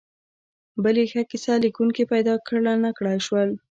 بل یې ښه کیسه لیکونکي پیدا نکړای شول.